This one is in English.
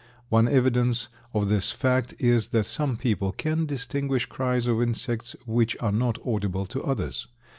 One evidence of this fact is that some people can distinguish cries of insects which are not audible to others.